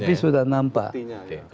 tapi sudah nampak